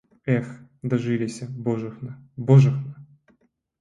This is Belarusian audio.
Эх, дажыліся, божухна, божухна!